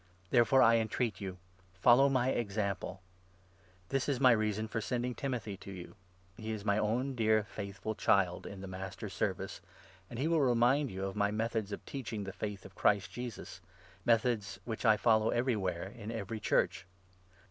Therefore I entreat you — Follow my 16 example. This is my reason for sending Timothy to 17 you. He is my own dear faithful child in the Master's service, and he will remind you of my methods of teaching the Faith of Christ Jesus — methods which I follow everywhere in every Church.